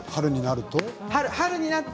春になると。